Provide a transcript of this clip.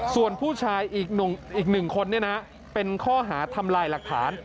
ส่วนผู้ชายอีกหนึ่งคนเนี่ยนะเป็นข้อหาทำลายหลักฐาน